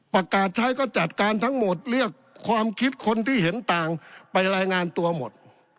ประกาศใช้ก็จัดการทั้งหมดเรียกความคิดคนที่เห็นต่างไปรายงานตัวหมด